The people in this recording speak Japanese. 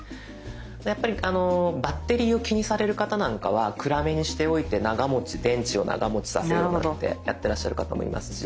やっぱりバッテリーを気にされる方なんかは暗めにしておいて長持ち電池を長持ちさせようってやってらっしゃる方もいますし。